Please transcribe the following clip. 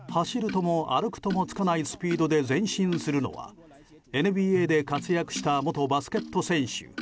走るとも歩くともつかないスピードで前進するのはＮＢＡで活躍した元バスケット選手